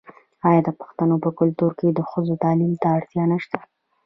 آیا د پښتنو په کلتور کې د ښځو تعلیم ته اړتیا نشته؟